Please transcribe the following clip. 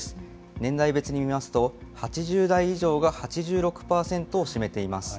年代別に見ますと８０代以上が８６％を占めています。